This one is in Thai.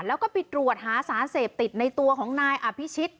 แล้วก็ไปตรวจหาสารเสพติดในตัวของนายอภิชิต